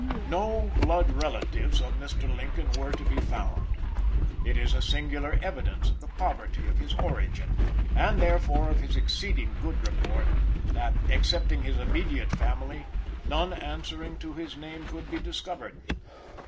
No blood relatives of Mr. Lincoln were to be found. It is a singular evidence of the poverty of his origin, and therefore of his exceeding good report, that, excepting his immediate family, none answering to his name could be discovered.